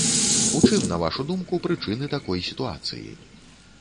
У чым, на вашу думку, прычыны такой сітуацыі?